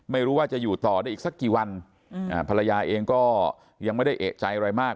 ไม่รู้ว่าจะอยู่ต่อได้อีกสักกี่วันภรรยาเองก็ยังไม่ได้เอกใจอะไรมาก